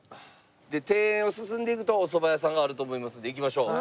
庭園を進んでいくとお蕎麦屋さんがあると思いますので行きましょう。